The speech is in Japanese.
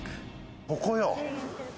ここよ。